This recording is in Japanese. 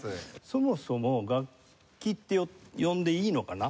そもそも楽器って呼んでいいのかな？